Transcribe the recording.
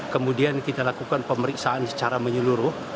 kemudian kita lakukan pemeriksaan secara menyeluruh